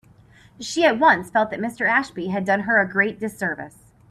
She at once felt that Mr. Ashby had done her a great disservice.